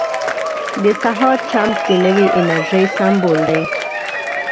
• د سهار چمک د نوې انرژۍ سمبول دی.